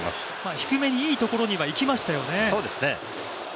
低めにいいところにはいきましたよね。